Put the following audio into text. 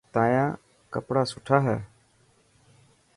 تايان ڪيڙا سٺا هي.